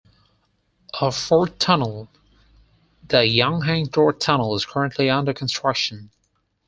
A fourth tunnel, the Yinhang Road Tunnel is currently under construction.